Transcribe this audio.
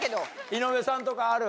井上さんとか、ある？